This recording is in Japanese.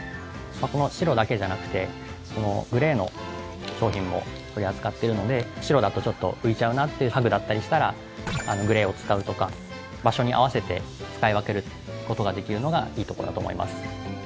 この白だけじゃなくてグレーの商品も取り扱ってるので白だとちょっと浮いちゃうなっていう家具だったりしたらグレーを使うとか場所に合わせて使い分けることができるのがいいところだと思います。